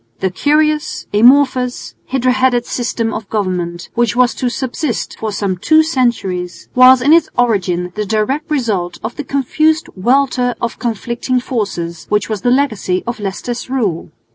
The curious, amorphous, hydra headed system of government, which was to subsist for some two centuries, was in its origin the direct result of the confused welter of conflicting forces, which was the legacy of Leicester's rule.